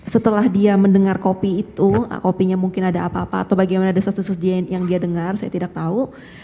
setelah dia mendengar kopi itu kopinya mungkin ada apa apa atau bagaimana desas desus yang dia dengar saya tidak tahu